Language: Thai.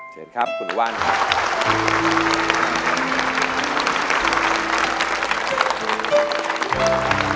เชิญครับคุณหนูวันครับ